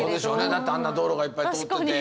だってあんな道路がいっぱい通ってて。